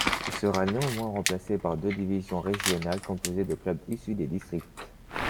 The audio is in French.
Il sera néanmoins remplacer par deux divisions régionales composés de clubs issus des districts.